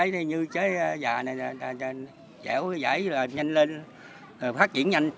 như trái già này dẻo dãy là nhanh lên phát diễn nhanh